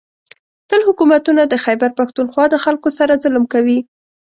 . تل حکومتونه د خېبر پښتونخوا د خلکو سره ظلم کوي